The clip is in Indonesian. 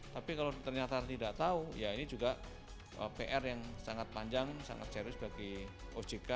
tapi kalau ternyata tidak tahu ya ini juga pr yang sangat panjang sangat serius bagi ojk